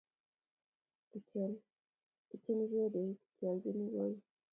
Kitinyo redio ne kiolji koii